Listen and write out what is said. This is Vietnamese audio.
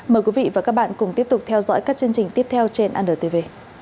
mời quý vị và các bạn cùng tiếp tục theo dõi các chương trình tiếp theo trên antv